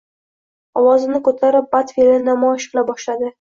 Ovozini ko`tarib, bad fe`lini namoyish qila boshladi